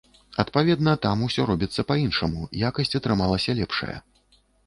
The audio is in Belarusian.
Адпаведна, там усё робіцца па-іншаму, якасць атрымалася лепшая.